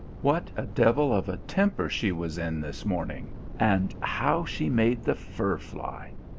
What a devil of a temper she was in this morning and how she made the fur fly!